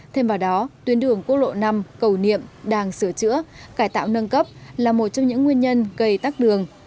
thêm vào đó tuyến đường quốc lộ năm cầu niệm đang sửa chữa cải tạo nâng cấp là một trong những nguyên nhân gây tắc đường